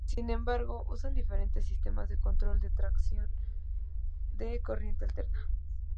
Sin embargo, usan diferentes sistemas de control de tracción de corriente alterna.